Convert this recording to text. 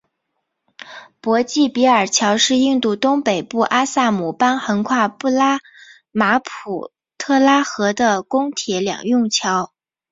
博济比尔桥是印度东北部阿萨姆邦横跨布拉马普特拉河的公铁两用桥。